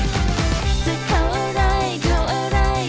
จะเขาอะไรเขาอะไร